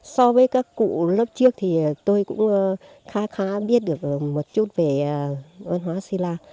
so với các cụ lớp trước thì tôi cũng khá khá biết được một chút về văn hóa si la